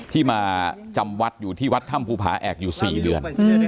ที่มาจำวัดอยู่ที่วัดถ้ำภูผาแอกอยู่๔เดือน